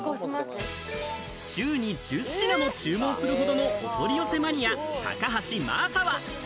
週に１０品も注文するほどのおとりよせマニア・高橋真麻は。